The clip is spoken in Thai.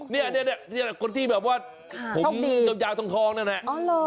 เนี่ยคนที่แบบว่าผมยาวทองนั่นแหละ